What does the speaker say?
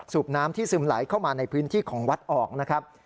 น้ำที่ซึมไหลเข้ามาในพื้นที่ของวัดออกนะครับ